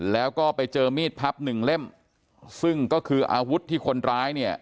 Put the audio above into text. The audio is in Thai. แล้วก็ไปเจอมีดพับหนึ่งเล่มซึ่งก็คืออาวุธที่คนร้ายเนี่ย